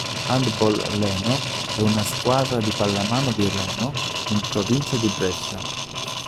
Handball Leno è una squadra di pallamano di Leno in provincia di Brescia.